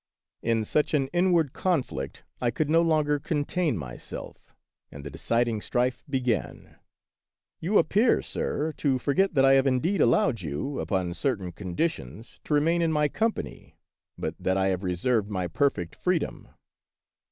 In such an inward conflict I could no longer contain myself, and the deciding strife began. "You appear, sir, to forget that I have indeed allowed you, upon certain conditions, to remain in my company, but that I have reserved my perfect freedom."